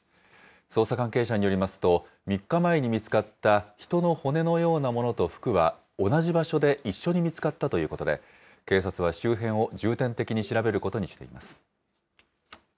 捜査関係者によりますと、３日前に見つかった人の骨のようなものと服は、同じ場所で一緒に見つかったということで、警察は周辺を重点的に調べることにしています。